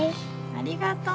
ありがとう。